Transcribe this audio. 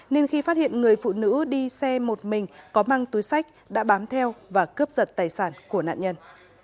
nên khi phát hiện người phụ nữ đi xe một mình có mang túi sách đã bám theo và cướp giật tài sản của nạn nhân